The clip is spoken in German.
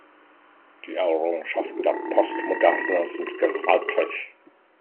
Die Errungenschaften der Postmoderne sind gewaltig.